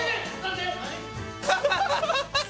アハハハ！